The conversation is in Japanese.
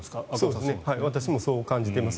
私もそう感じています。